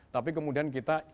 tapi kemudian kita